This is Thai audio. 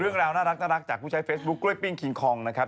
เรื่องราวน่ารักจากผู้ใช้เฟซบุ๊คกล้วยปิ้งคิงคองนะครับ